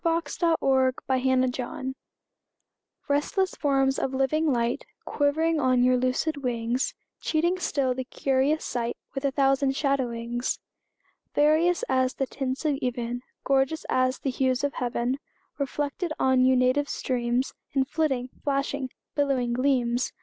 W X . Y Z Address to Certain Golfishes RESTLESS forms of living light Quivering on your lucid wings, Cheating still the curious sight With a thousand shadowings; Various as the tints of even, Gorgeous as the hues of heaven, Reflected on you native streams In flitting, flashing, billowy gleams!